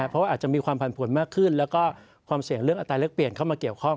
เพราะว่าอาจจะมีความผันผวนมากขึ้นแล้วก็ความเสี่ยงเรื่องอัตราแรกเปลี่ยนเข้ามาเกี่ยวข้อง